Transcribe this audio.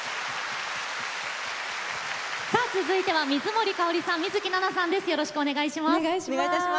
続いては、水森かおりさん水樹奈々さんです。